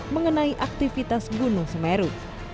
mengenai aktivitas gunung semeru